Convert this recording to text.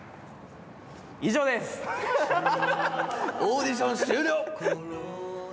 オーディション終了！